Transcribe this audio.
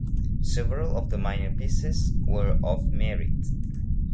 Several of the minor pieces were of merit.